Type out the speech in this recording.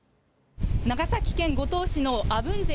長崎県五島市の鐙瀬